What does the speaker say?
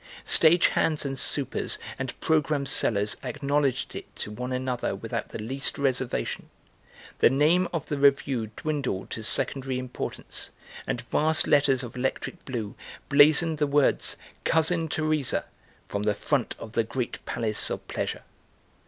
Stage hands and supers and programme sellers acknowledged it to one another without the least reservation. The name of the revue dwindled to secondary importance, and vast letters of electric blue blazoned the words "Cousin Teresa" from the front of the great palace of pleasure.